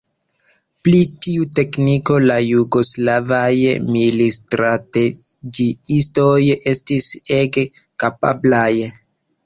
Pri tiu tekniko la jugoslavaj militstrategiistoj estis ege kapablaj.